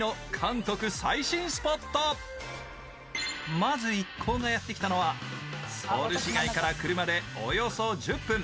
まず一行がやってきたのはソウル市街から車でおよそ１０分。